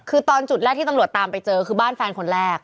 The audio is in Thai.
คือตอนจุดแรกที่ตำรวจตามไปเจอคือบ้านแฟนคนแรก